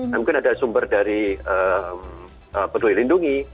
mungkin ada sumber dari peduli lindungi